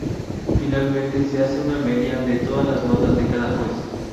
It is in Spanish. Finalmente, se hace una media de todas las notas de cada juez.